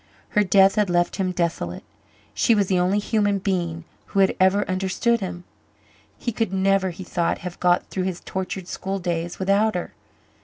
Her death had left him desolate. She was the only human being who had ever understood him. He could never, he thought, have got through his tortured school days without her.